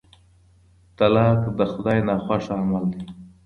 طلاق د خدای ناخوښه عمل دی.